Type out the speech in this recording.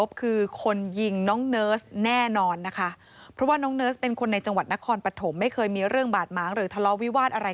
ถือยังไงเราก็สร้างทำอาหารกินต่อไป